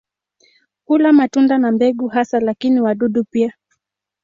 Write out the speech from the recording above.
Hula matunda na mbegu hasa lakini wadudu pia.